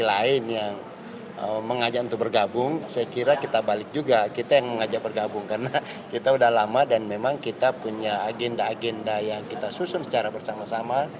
agenda agenda yang kita susun secara bersama sama